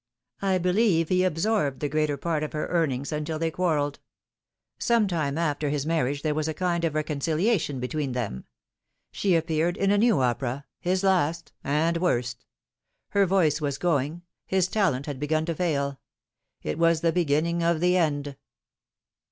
I believe he absorbed the greater part of her earnings, until they quarrelled. Some time after his marriage there was a kind of reconciliation between them. She appeared in a new opera his las$ and worst. Her voice was going, his talent had begun to fail. It was the beginning of the end."